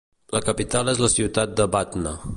La capital és la ciutat de Batna.